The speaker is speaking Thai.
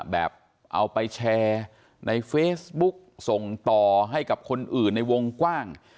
แบบเอาไปแชร์ในเฟซบุ๊กส่งต่อให้กับคนอื่นในวงกว้าง